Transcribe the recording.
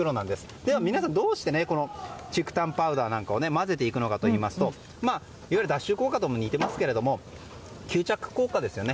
では皆さん、どうして竹炭パウダーを混ぜていくのかといいますといわゆる脱臭効果と似ていますが吸着効果ですよね。